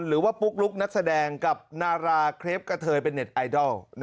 ปุ๊กลุ๊กนักแสดงกับนาราเครปกะเทยเป็นเน็ตไอดอล